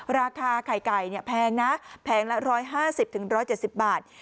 ราคาไข่ไก่เนี่ยแพงนะแพงละร้อยห้าสิบถึงร้อยเจ็ดสิบบาท